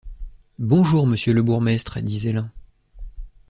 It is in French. Bonjour, monsieur le bourgmestre, disait l’un.